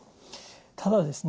ただですね